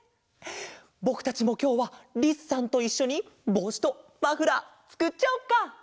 ぼくたちもきょうはリスさんといっしょにぼうしとマフラーつくっちゃおうか！